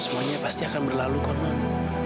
non semuanya pasti akan berlalu non